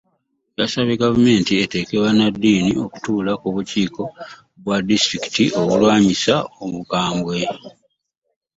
Yasabye gavumenti eteeke bannaddiini okutuula ku bukiiko bwa disitulikiti obulwanyisa Omukambwe